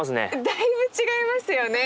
だいぶ違いますよね。